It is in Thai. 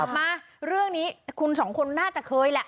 มาเรื่องนี้คุณสองคนน่าจะเคยแหละ